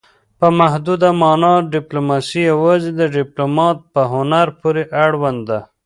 په محدوده مانا ډیپلوماسي یوازې د ډیپلومات په هنر پورې اړوند ده